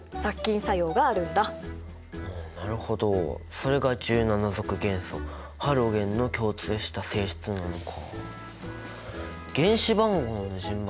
それが１７族元素ハロゲンの共通した性質なのか。